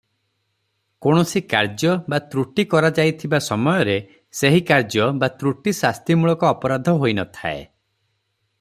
କୌଣସି କାର୍ଯ୍ୟ ବା ତ୍ରୁଟି କରାଯାଇଥିବା ସମୟରେ ସେହି କାର୍ଯ୍ୟ ବା ତ୍ରୁଟି ଶାସ୍ତିମୂଳକ ଅପରାଧ ହୋଇନଥାଏ.